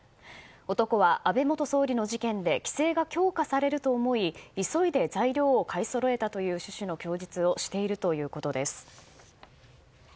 男は安倍元総理の事件で規制が強化されると思い急いで材料を買いそろえたという趣旨の供述をしているということです。